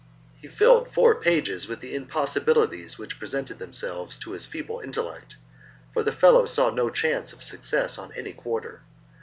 He filled four pages with the impossibilities which presented themselves to his feeble intellect, for the fellow saw no chance of success on any quarter.